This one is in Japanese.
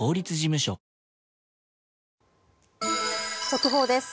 速報です。